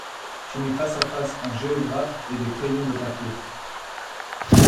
Tu mets face à face un géographe et des crayons de papier!